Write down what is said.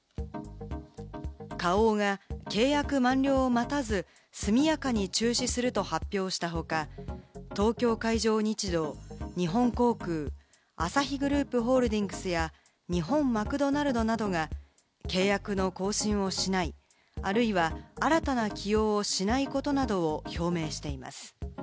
花王が契約満了を待たず速やかに中止すると発表した他、東京海上日動、日本航空、アサヒグループホールディングスや日本マクドナルドなどが契約の更新をしない、あるいは新たな起用をしないことなどを表明しています。